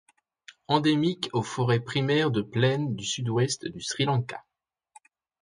Endémique aux forêts primaires de plaine du sud-ouest du Sri Lanka.